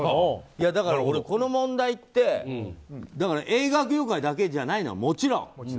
だから、俺この問題って映画業界だけじゃないのはもちろん。